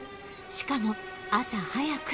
しかも朝早く